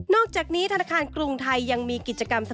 อกจากนี้ธนาคารกรุงไทยยังมีกิจกรรม